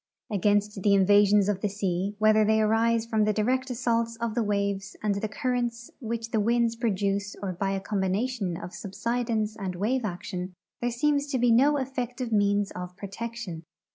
Against the invasions of the sea, whether they arise from the direct assaults of the waves and the currents which the winds produce or by a combination of subsidence and wave action, there seems to be no effective means of protection.